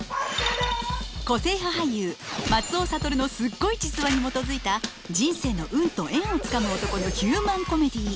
個性派俳優松尾諭のスッゴイ実話にもとづいた人生の運と縁をつかむ男のヒューマン・コメディー。